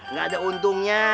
gak ada untungnya